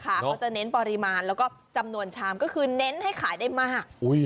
เขาจะเน้นปริมาณแล้วก็จำนวนชามก็คือเน้นให้ขายได้มาก